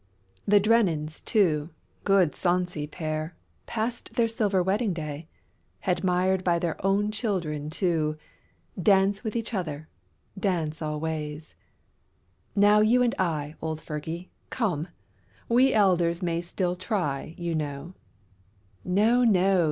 The Drennens too, good sonsy pair, Passed their silver wedding day, 139 END OF HARDEST. Admired by their own children too, Dance with each other, dance alway. Now you and I, old Fergie, come, We elders may still try, you know, No, no